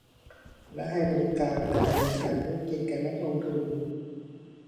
และให้บริการการดำเนินธุรกิจแก่นักลงทุน